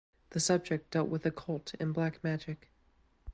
The subject dealt with occult and black magic.